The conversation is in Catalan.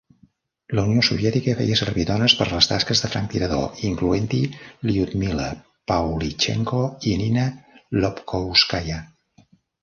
La Unió Soviètica feia servir dones per les tasques de franctirador, incloent-hi Lyudmila Pavlichenko i Nina Lobkovskaya.